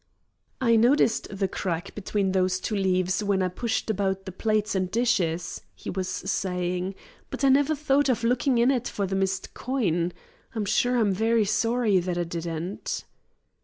"I noticed the crack between these two leaves when I pushed about the plates and dishes," he was saying. "But I never thought of looking in it for the missing coin. I'm sure I'm very sorry that I didn't."